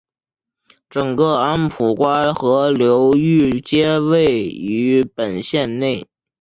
整个安普瓜河流域皆位于本县内。